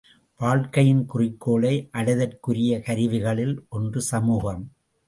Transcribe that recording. வாழ்க்கையின் குறிக்கோளை அடைதற்குரிய கருவிகளில் ஒன்று சமூகம்.